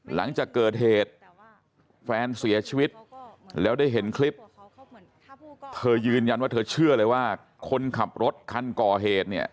หลังจากเกิดเหตุแฟนเสียชีวิตแล้วได้เห็นคลิปเธอยืนยันว่าเธอเชื่อเลยว่าคนขับรถคันก่อเหตุเนี่ย